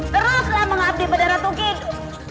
teruslah mengabdi pada ratu kidul